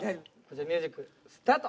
ミュージックスタート！